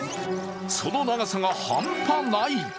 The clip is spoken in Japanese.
その長さが半端ない。